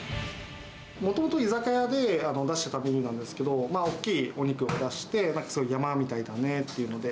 もともと居酒屋で出していたメニューなんですけど、大きいお肉を出して、山みたいだねっていうので。